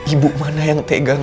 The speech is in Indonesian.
ibu mana yang tegang